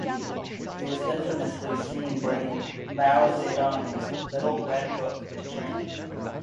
He was infamously seen bringing Mao Zedong's "little red book" to training.